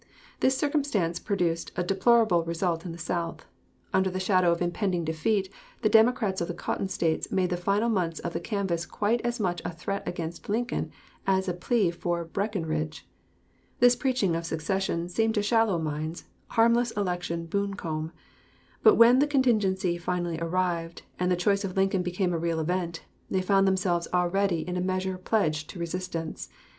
This circumstance produced a deplorable result in the South. Under the shadow of impending defeat the Democrats of the Cotton States made the final months of the canvass quite as much a threat against Lincoln as a plea for Breckinridge. This preaching of secession seemed to shallow minds harmless election buncombe; but when the contingency finally arrived, and the choice of Lincoln became a real event, they found themselves already in a measure pledged to resistance.